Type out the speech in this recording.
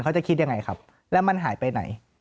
เขาจะคิดยังไงครับแล้วมันหายไปไหน